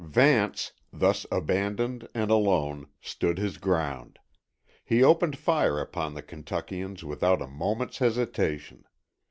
Vance, thus abandoned and alone, stood his ground. He opened fire upon the Kentuckians without a moment's hesitation.